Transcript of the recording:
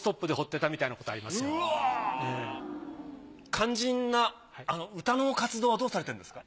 肝心な歌の活動はどうされてるんですか？